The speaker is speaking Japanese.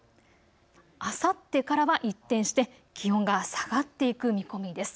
あさってからは一転して気温が下がっていく見込みです。